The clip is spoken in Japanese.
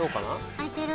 あいてる？